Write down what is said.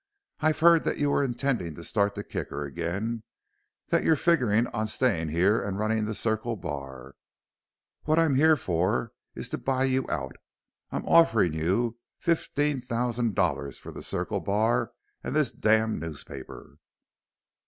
I've heard that you're intending to start the Kicker again; that you're figgering on staying here and running the Circle Bar. What I'm here for is to buy you out. I'm offering you fifteen thousand dollars for the Circle Bar and this damn newspaper."